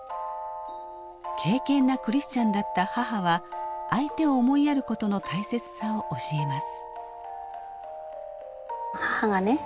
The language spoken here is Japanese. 敬けんなクリスチャンだった母は相手を思いやることの大切さを教えます。